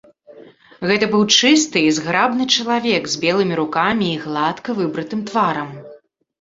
Гэта быў чысты і зграбны чалавек, з белымі рукамі і гладка выбрытым тварам.